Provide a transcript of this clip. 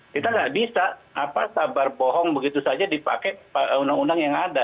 kita nggak bisa sabar bohong begitu saja dipakai undang undang yang ada